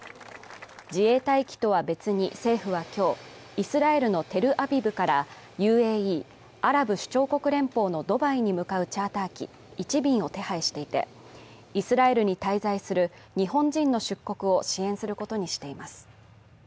自衛隊機とは別に政府は今日、イスラエルのテルアビブからＵＡＥ＝アラブ首長国連邦のドバイに向かうチャーター機１便を手配していて、イスラエルに滞在する日本人の出国を支援することにしています。